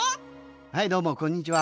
はいどうもこんにちは。